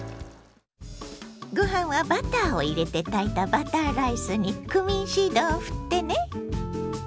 ご飯はバターを入れて炊いたバターライスにクミンシードをふってね。